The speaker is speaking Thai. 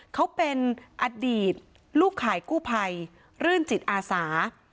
เขาเป็นอดีตลูกข่ายกู้ภัยรื่นจิตอาสา